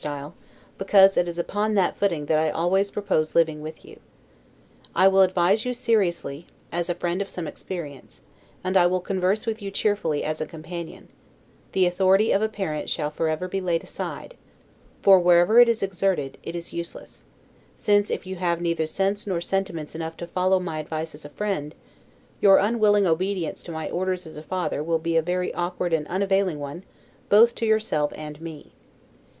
S., because it is upon that footing that I always propose living with you. I will advise you seriously, as a friend of some experience, and I will converse with you cheerfully as a companion; the authority of a parent shall forever be laid aside; for, wherever it is exerted, it is useless; since, if you have neither sense nor sentiments enough to follow my advice as a friend, your unwilling obedience to my orders as a father will be a very awkward and unavailing one both to yourself and me.